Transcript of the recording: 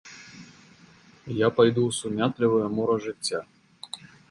Я пайду ў сумятлівае мора жыцця.